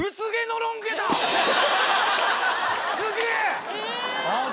すげえ！